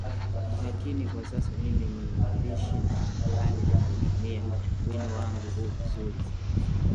Lakini kwa sasa mimi ni mwandishi, na nadhani nimeutumia wino wangu huu vizuri